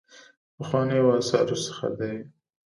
پخوانیو آثارو څخه دی.